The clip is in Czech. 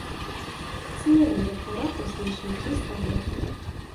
Směrem do dvora pozdější přístavby.